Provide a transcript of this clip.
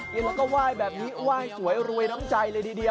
แล้วก็ยกไหว้แบบนี้ยกไหว้สวยที่น้ำใจเลยดี